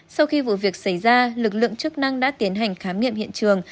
sau khi vụ việc xảy ra lực lượng chức năng đã tiến hành khám nghiệm hiện trường